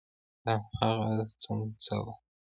دا هماغه څمڅه ده.